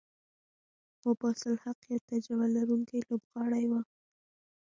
مصباح الحق یو تجربه لرونکی لوبغاړی وو.